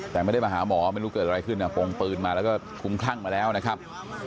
แต่ไม่ได้มาหาหมอไม่รู้เกิดอะไรขึ้นปงปืนมาแล้วก็คุ้มคลั่งมาแล้วนะครับ